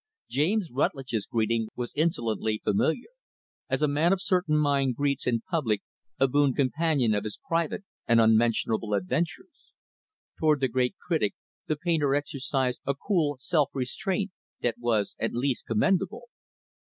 James Rutlidge's greeting was insolently familiar; as a man of certain mind greets in public a boon companion of his private and unmentionable adventures. Toward the great critic, the painter exercised a cool self restraint that was at least commendable.